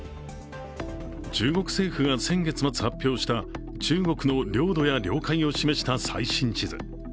中国政府が先月末発表した中国の領土や領海を示した最新地図。